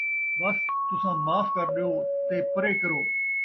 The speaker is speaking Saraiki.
بَس تُساں معاف کرݙیو، تے پَرے کرو،